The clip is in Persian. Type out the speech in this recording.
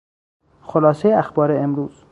خلاصهی اخبار امروز